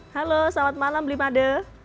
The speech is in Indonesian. halo selamat malam imade